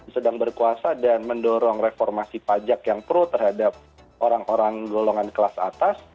sedang berkuasa dan mendorong reformasi pajak yang pro terhadap orang orang golongan kelas atas